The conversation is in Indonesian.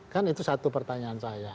kan itu satu pertanyaan saya